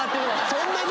そんなに！？